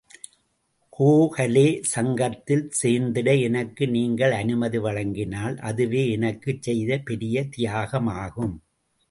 கோகலே சங்கத்தில் சேர்ந்திட எனக்கு நீங்கள் அனுமதி வழங்கினால் அதுவே எனக்குச் செய்த பெரிய தியாகமாகும்.